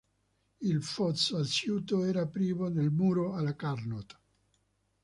Il fosso asciutto era privo del muro alla Carnot.